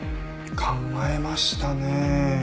考えましたねえ。